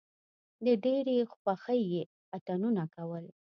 له ډېرې خوښۍ یې اتڼونه کول.